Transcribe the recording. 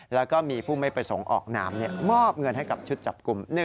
แล้วก็มีผู้ไม่ประสงค์ออกนามมอบเงินให้กับชุดจับกลุ่ม